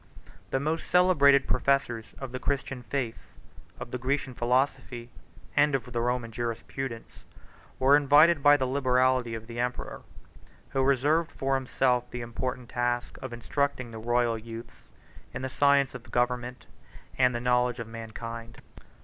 33 The most celebrated professors of the Christian faith, of the Grecian philosophy, and of the Roman jurisprudence, were invited by the liberality of the emperor, who reserved for himself the important task of instructing the royal youths in the science of government, and the knowledge of mankind.